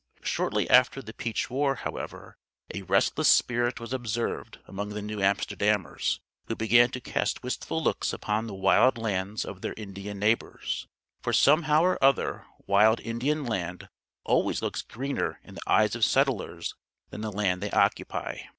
Shortly after the Peach War however, a restless spirit was observed among the New Amsterdammers, who began to cast wistful looks upon the wild lands of their Indian neighbors; for somehow or other wild Indian land always looks greener in the eyes of settlers than the land they occupy.